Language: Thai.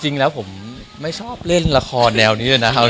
จริงแล้วผมไม่ชอบเล่นละครแนวนี้เลยนะครับ